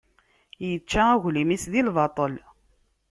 Ičča aglim-is di lbaṭel.